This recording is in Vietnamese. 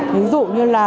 ví dụ như là